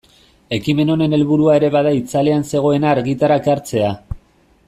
Ekimen honen helburua ere bada itzalean zegoena argitara ekartzea.